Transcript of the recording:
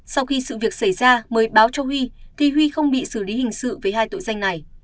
sau khi sự việc xảy ra mới báo cho huy thì huy không bị xử lý hình sự với hai tội danh này